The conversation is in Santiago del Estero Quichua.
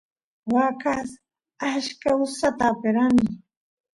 waa kaas achka usata aperani